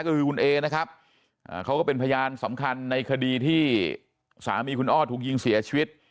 ก็คือคุณเอนะครับเขาก็เป็นพยานสำคัญในคดีที่สามีคุณอ้อถูกยิงเสียชีวิต